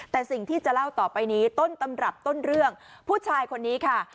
แต่สิ่งที่จะเล่าต่อไปนี้ต้นตำรับต้นเรื่องผู้ชายคนนี้ค่ะ